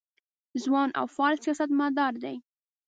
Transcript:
ځوان او فعال سیاستمدار دی.